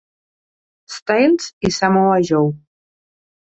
Styles i Samoa Joe.